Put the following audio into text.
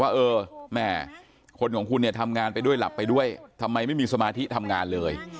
ว่าเออแม่คนของคุณเนี่ยทำงานไปด้วยหลับไปด้วยทำไมไม่มีสมาธิทำงานเลย